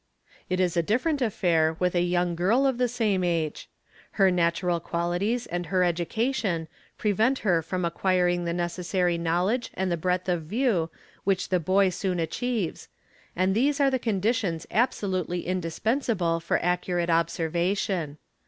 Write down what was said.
It is a different affair with a young girl of the same age. Her natural qualities and her education prevent her acquiring the necessary know I and the breadth of view which the boy soon achieves, and these e the conditions absolutely indispensible for accurate observation.